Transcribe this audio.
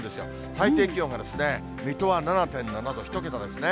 最低気温がですね、水戸は７．７度、１桁ですね。